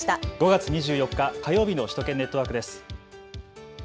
５月２４日、火曜日の首都圏ネットワークです。